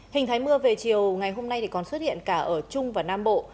hình thái mưa về chiều ngày hôm nay còn xuất hiện cả ở trung và nam bộ